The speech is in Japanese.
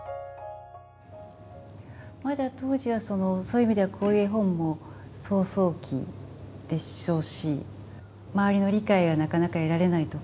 まだ当時はそういう意味ではこういう絵本も草創期でしょうし周りの理解がなかなか得られないとかですね。